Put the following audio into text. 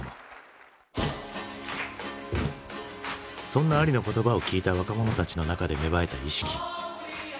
そんなアリの言葉を聞いた若者たちの中で芽生えた意識。